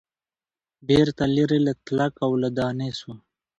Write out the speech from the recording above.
بیرته لیري له تلک او له دانې سو